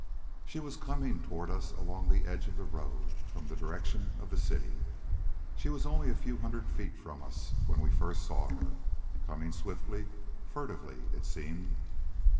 She was coming toward us along the edge of the road, from the direction of the city. She was only a few hundred feet from us when we first saw her, coming swiftly, furtively it seemed.